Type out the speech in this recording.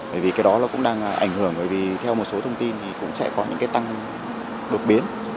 bởi vì cái đó nó cũng đang ảnh hưởng bởi vì theo một số thông tin thì cũng sẽ có những cái tăng đột biến